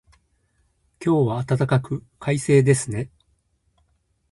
今日は暖かく、快晴ですね。